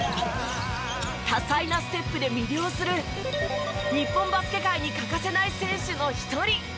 多彩なステップで魅了する日本バスケ界に欠かせない選手の一人。